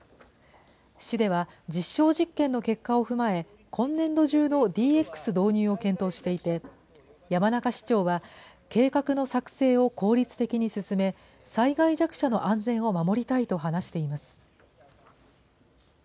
市では実証実験の結果を踏まえ、今年度中のＤＸ導入を検討していて、山中市長は、計画の作成を効率的に進め、災害弱者の安全を守りたいと話しています。